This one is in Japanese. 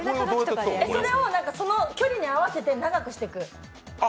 それをその距離に合わせて長くしてく。